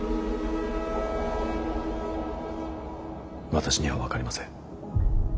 私には分かりません。